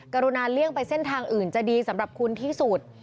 กรุณาเลี่ยงไปเส้นทางอื่นจะดีสำหรับคุณที่สุด